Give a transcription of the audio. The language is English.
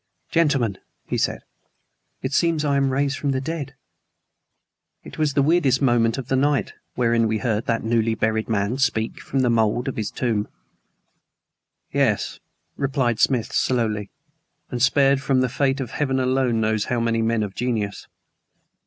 "Gentlemen," he said, "it seems I am raised from the dead." It was the weirdest moment of the night wherein we heard that newly buried man speak from the mold of his tomb. "Yes," replied Smith slowly, "and spared from the fate of Heaven alone knows how many men of genius.